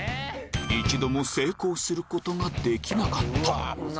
一度も成功することができなかった